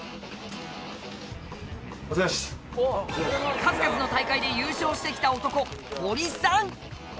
数々の大会で優勝してきた男ホリさん！